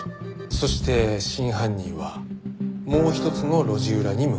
そして真犯人はもう一つの路地裏に向かった。